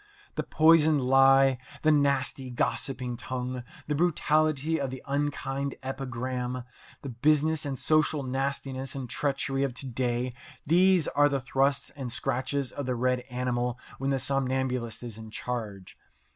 The poisoned lie, the nasty, gossiping tongue, the brutality of the unkind epigram, the business and social nastiness and treachery of to day these are the thrusts and scratches of the red animal when the somnambulist is in charge.